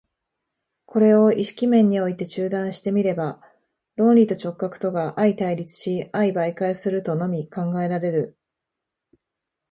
これを意識面において中断して見れば、論理と直覚とが相対立し相媒介するとのみ考えられる。